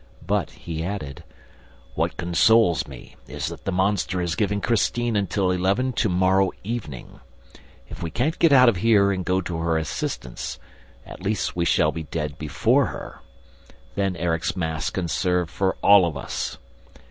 But he added: "What consoles me is that the monster has given Christine until eleven to morrow evening. If we can't get out of here and go to her assistance, at least we shall be dead before her! Then Erik's mass can serve for all of us!"